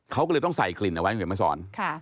เขาก็เลยต้องใส่กลิ่นเอาไว้เหมือนไหมสอน